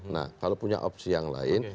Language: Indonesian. nah kalau punya opsi yang lain